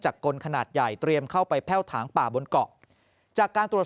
กลขนาดใหญ่เตรียมเข้าไปแพ่วถางป่าบนเกาะจากการตรวจสอบ